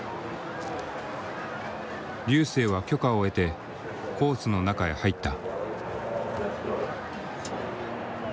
瑠星は許可を得てコースの中へ入った。